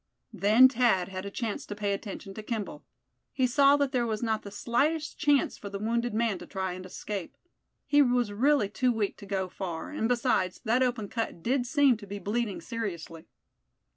Then Thad had a chance to pay attention to Kimball. He saw that there was not the slightest chance for the wounded man to try and escape. He was really too weak to go far; and besides, that open cut did seem to be bleeding seriously.